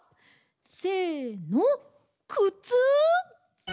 せのくつ！